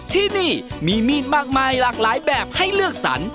ที่นี่มีมีดมากมายหลากหลายแบบให้เลือกสรร